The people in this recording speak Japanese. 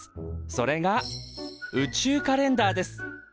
それが宇宙カレンダーです。